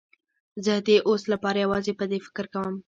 زه د اوس لپاره یوازې پر دې فکر کوم.